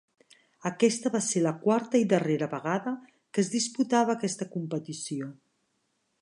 Aquesta va ser la quarta i darrera vegada que es disputava aquesta competició.